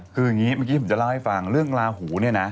คืออย่างนี้เมื่อกี้ผมจะเล่าให้ฟังเรื่องลาหูเนี่ยนะ